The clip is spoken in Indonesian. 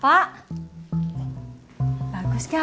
nah udah kita minum nih